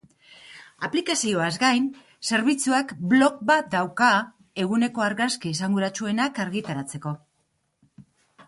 Aplikazioaz gain, zerbitzuak blog bat dauka eguneko argazki esanguratsuenak argitaratzeko.